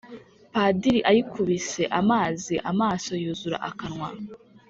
padiri ayikubise amazi amaso yuzura akanwa,